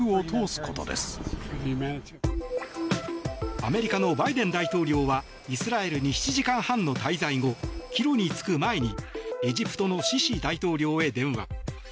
アメリカのバイデン大統領はイスラエルに７時間半の滞在後帰路に就く前にエジプトのシシ大統領へ電話。